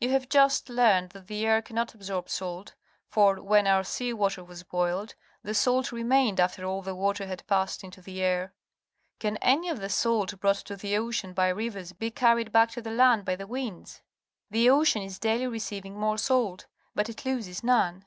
You have just learned that the air cannot absorb salt, for, when our sea water was boiled, the salt remained after all the water had passed into the air. Can any of the salt brought to the ocean by rivers be carried back to the land by the winds? The ocean is daily receiving more salt, but it loses none.